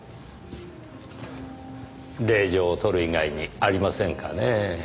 令状を取る以外にありませんかねぇ。